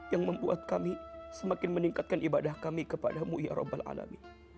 yang membuat kami semakin meningkatkan ibadah kami kepadamu ya rabbil alami